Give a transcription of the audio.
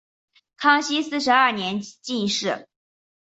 康熙四十二年进士。